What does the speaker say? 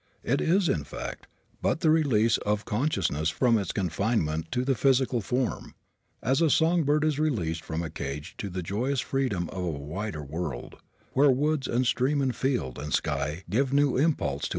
It is, in fact, but the release of consciousness from its confinement to the physical form, as a song bird is released from a cage to the joyous freedom of a wider world, where woods and stream and field and sky give new impulse to its innate characteristics.